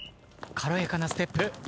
軽やかなステップ。